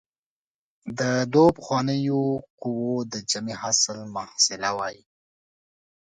د دوو پخوانیو قوو د جمع حاصل محصله وايي.